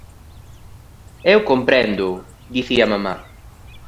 _Eu compréndoo _dicía mamá_.